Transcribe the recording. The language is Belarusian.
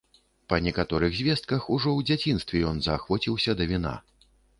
Па некаторых звестках, ужо ў дзяцінстве ён заахвоціўся да віна.